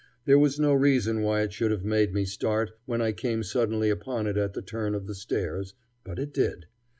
There was no reason why it should have made me start when I came suddenly upon it at the turn of the stairs; but it did.